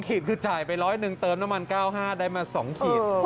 ๒ขีดคือจ่ายไป๑๐๑เติมน้ำมัน๙๕แล้วได้มา๒ขีด